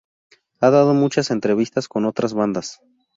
Ha dado muchas entrevistas con otras bandas.